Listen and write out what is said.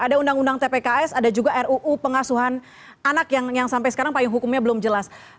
ada undang undang tpks ada juga ruu pengasuhan anak yang sampai sekarang paling hukumnya belum jelas